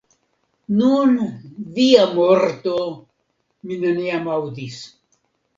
Nun, dia morto, mi neniam aŭdis !